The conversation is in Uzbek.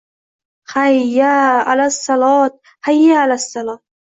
— Hay…ya alas… salo…ot! Hay… ya alas… salo…ot!